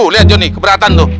lihat joni keberatan tuh